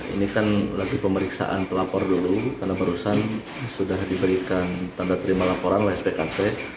ini kan lagi pemeriksaan pelapor dulu karena barusan sudah diberikan tanda terima laporan oleh spkp